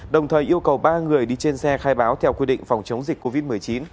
đồng thời yêu cầu ba người đi trên xe khai báo theo quy định phòng chống dịch covid một mươi chín